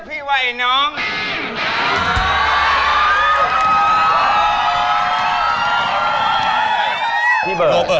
รีตไทรนะฮะ